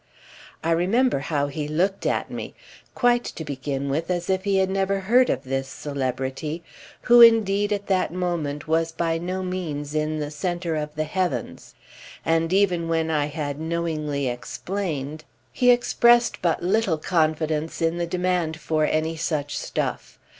I remember how he looked at me—quite, to begin with, as if he had never heard of this celebrity, who indeed at that moment was by no means in the centre of the heavens; and even when I had knowingly explained he expressed but little confidence in the demand for any such stuff.